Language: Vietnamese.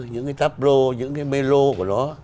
những cái tablo những cái melo của nó